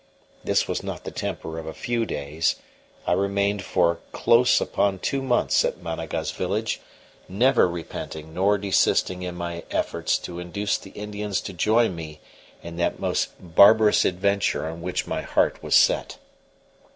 This was not the temper of a few days: I remained for close upon two months at Managa's village, never repenting nor desisting in my efforts to induce the Indians to join me in that most barbarous adventure on which my heart was set.